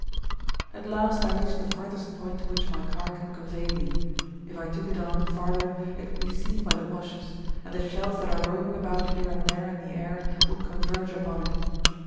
At last I reach the farthest point to which my car can convey me; if I took it on farther it would be seen by the Boches, and the shells that are roaming about here and there in the air would converge upon it.